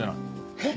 えっ。